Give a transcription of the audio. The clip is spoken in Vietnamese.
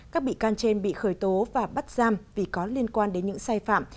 các bị can trên bị khởi tố và bắt giam vì có liên quan đến những sai phạm